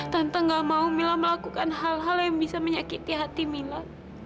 tentang gak mau mila melakukan hal hal yang bisa menyakiti hati mila